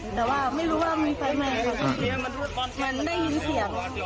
นอนอยู่ข้างล่างคอยได้ดูสัตว์อ่อเหมือนจะหลับแล้ว